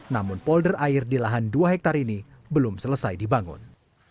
namun polder air di lahan dua hektare ini belum selesai dibangun